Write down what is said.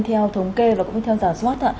theo thống kê và cũng theo giả soát